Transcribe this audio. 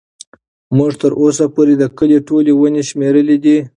موږ تر اوسه پورې د کلي ټولې ونې شمېرلي دي.